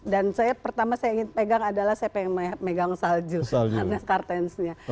dan saya pertama saya ingin pegang adalah saya pengen megang salju karena kartensnya